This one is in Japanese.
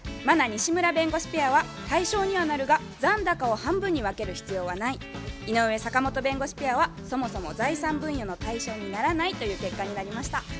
茉奈・西村弁護士ペアは「対象にはなるが残高を半分に分ける必要はない」井上・坂本弁護士ペアは「そもそも財産分与の対象にならない」という結果になりました。